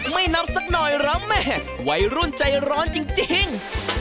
ไม่นับสักหน่อยละแม่วัยรุ่นใจร้อนจริง